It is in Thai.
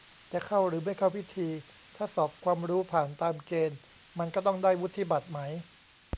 จะเข้าหรือไม่เข้าพิธี ถ้าสอบความรู้ผ่านตามเกณฑ์มันก็ต้องได้วุฒิบัตรไหม